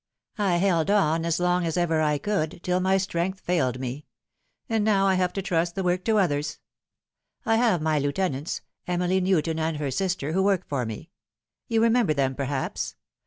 I held on as long as ever I could, till my strength failed me. And now I have to trust the work to others. I have my lieutenants Emily Newton and her sister who work for me. You remember them, perhaps.